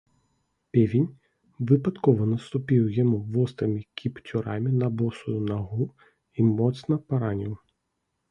Певень выпадкова наступіў яму вострымі кіпцюрамі на босую нагу і моцна параніў.